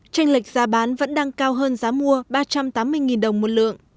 tranh lệch giá bán vẫn đang cao hơn giá mua ba trăm tám mươi đồng một lượng